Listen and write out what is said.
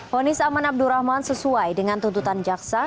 fonis aman abdurrahman sesuai dengan tuntutan jaksa